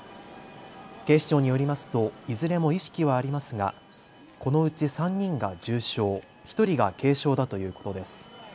警視庁によりますといずれも意識はありますがこのうち３人が重傷、１人が軽傷だということです。